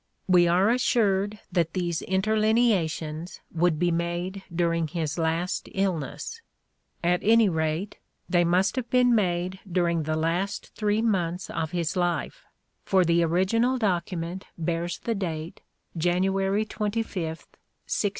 We are assured that these interlinea tions would be made during his last illness. At any rate they must have been made during the last three months of his life, for the original document bears the date January 25th, 1616.